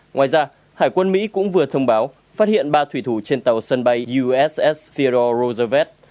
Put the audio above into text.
ngoài ra hải quân mỹ cũng vừa thông báo phát hiện ba thủy thủ trên tàu sân bay uss theodore roosevelt